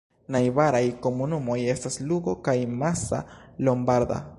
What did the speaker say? Najbaraj komunumoj estas Lugo kaj Massa Lombarda.